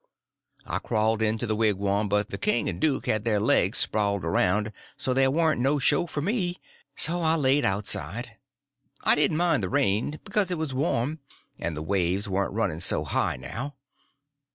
I crawled into the wigwam, but the king and the duke had their legs sprawled around so there warn't no show for me; so I laid outside—I didn't mind the rain, because it was warm, and the waves warn't running so high now.